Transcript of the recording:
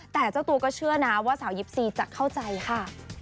แต่เจ้าตัวก็เชื่อนะว่าสาว๒๔จะเข้าใจค่ะ